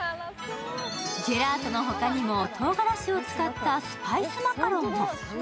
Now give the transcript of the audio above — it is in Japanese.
ジェラートの他にも、とうがらしを使ったスパイス・マカロンも。